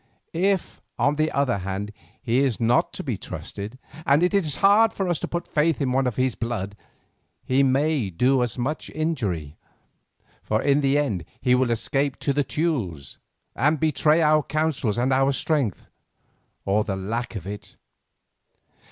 If on the other hand he is not to be trusted, and it is hard for us to put faith in one of his blood, he may do us much injury, for in the end he will escape to the Teules, and betray our counsels and our strength, or the lack of it.